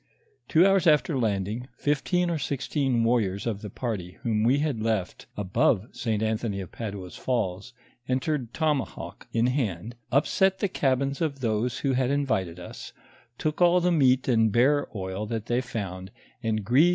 Two hours after landing, fifteen or sixteen warriors of the party whom we had left above St. Anthony of Padua's falls, entered tomahawk in hand, upset the cabins of those who had invited us, took all the meat and bear oil that they found, and greased them by li the all a I re had falo